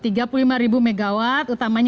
utamanya nanti akan memenuhi kebutuhan